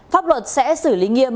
pháp luật sẽ xử lý nghiêm